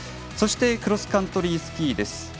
そしてクロスカントリースキー。